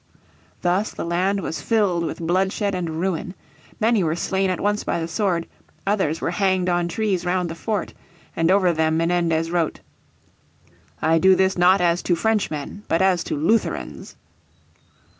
Thus the land was filled with bloodshed and ruin. Many were slain at once by the sword, others were hanged on trees round the fort, and over them Menendez wrote, "I do this not as to Frenchmen but as to Lutherans."